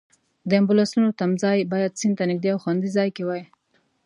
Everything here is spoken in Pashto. د امبولانسونو تمځای باید سیند ته نږدې او خوندي ځای کې وای.